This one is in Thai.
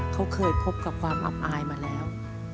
เขาเคยพบกับความอับอายมาแล้ว